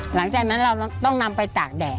หลังจากนั้นเราต้องนำไปตากแดด